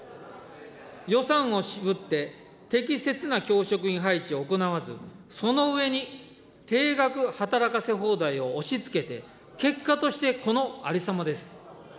予算を渋って適切な教職員配置を行わず、その上に定額働かせ放題を押しつけて、結果としてこのありさまです。